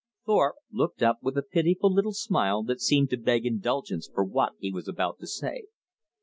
Thorpe looked up with a pitiful little smile that seemed to beg indulgence for what he was about to say.